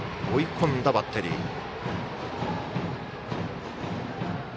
追い込んだバッテリー。